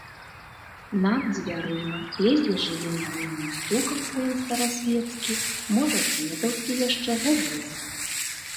Над дзвярыма ледзьве жыве няроўным стукам сваім старасвецкі, можа, дзедаўскі яшчэ, гадзіннік.